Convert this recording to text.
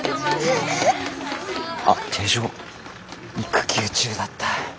あっ手錠育休中だった。